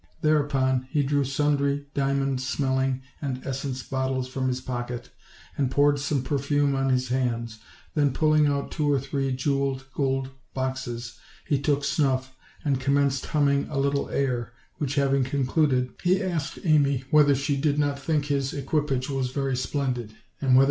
Thereupon he drew sundry diamond smelling and essence bottles from his pocket, and poured some perfume on his hands; then pulling out two or three jeweled gold boxes, he took snuff, and commenced humming a little air, which having concluded, he asked Amy whether she did Dot think his equipage was very spleudidj and whether 160 OLD, OLD FAIR7 TALES.